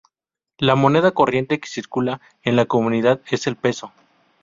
La moneda corriente que circula en la comunidad es el peso.